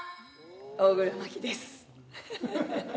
大黒摩季です。